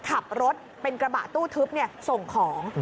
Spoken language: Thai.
ขับรถเป็นกระบะตู้ทึบส่งของ